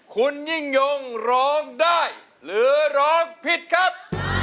คุณยิ่งยงร้องได้หรือร้องผิดครับ